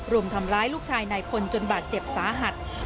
รุมทำร้ายลูกชายนายพลจนบาดเจ็บสาหัส